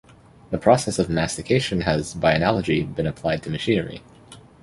The process of mastication has, by analogy, been applied to machinery.